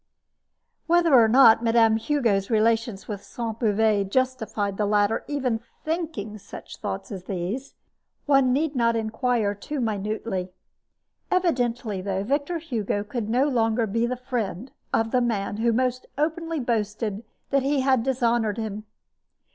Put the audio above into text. Whether or not Mme. Hugo's relations with Sainte Beuve justified the latter even in thinking such thoughts as these, one need not inquire too minutely. Evidently, though, Victor Hugo could no longer be the friend of the man who almost openly boasted that he had dishonored him.